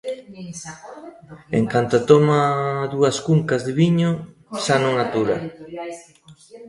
En canto toma dúas cuncas de viño, xa non atura.